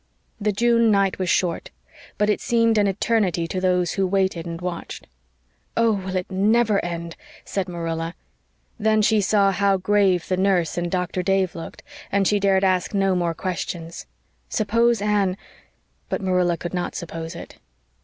The June night was short; but it seemed an eternity to those who waited and watched. "Oh, will it NEVER end?" said Marilla; then she saw how grave the nurse and Doctor Dave looked, and she dared ask no more questions. Suppose Anne but Marilla could not suppose it.